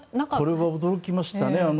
これは驚きましたね。